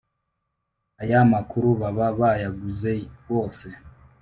aya makuru baba bayaguze bose